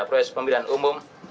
proses pemilihan umum